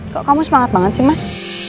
kok kamu semangat banget sih mas